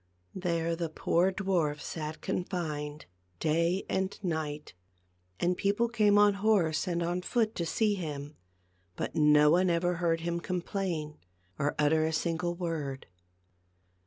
There the poor dwarf sat confined, day and night. And people came on horse and on foot to see him, but no one ever heard him complain or utter a sin gle word.